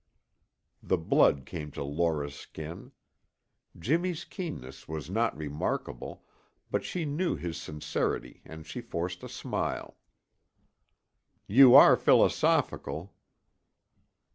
The blood came to Laura's skin. Jimmy's keenness was not remarkable, but she knew his sincerity and she forced a smile. "You are philosophical."